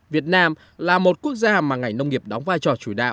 việt nam là một quốc gia mà ngành nông nghiệp đóng vai trò chủ đạo